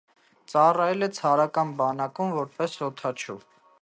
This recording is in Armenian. Ծառայել է ցարական բանակում որպես օդաչու։